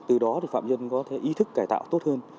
từ đó thì phạm nhân có thể ý thức cải tạo tốt hơn